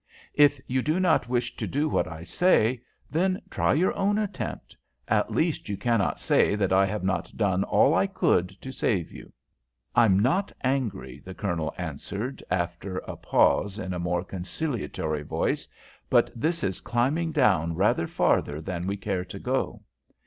If you do not wish to do what I say, then try your own attempt. At least you cannot say that I have not done all I could to save you." "I'm not angry," the Colonel answered, after a pause, in a more conciliatory voice, "but this is climbing down rather farther than we care to go.